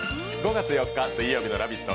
５月４日水曜日の「ラヴィット！」